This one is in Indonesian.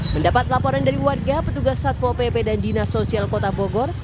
mendapat laporan dari warga petugas satpol pp dan dinasosial kota bogor